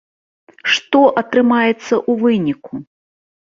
Што атрымаецца ў выніку?